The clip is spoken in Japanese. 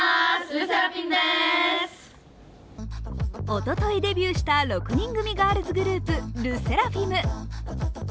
おとといデビューした６人組ガールズグループ、ＬＥＳＳＥＲＡＦＩＭ。